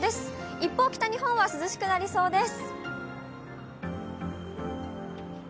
一方、北日本は涼しくなりそうです。